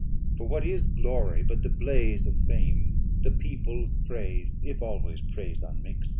For what is glory but the blaze of fame, The peoples praise, if always praise unmixt?